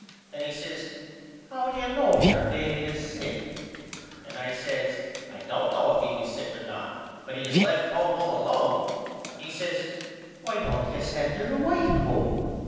Then he says How do you know your baby is sick? And I says I don't know if he is sick or not but he is left home all alone. He says Why don't you send your wife home?